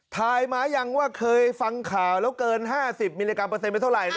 ทายมายังว่าเคยฟังข่าวแล้วเกิน๕๐มิลลิกรัเปอร์เซ็นไปเท่าไหร่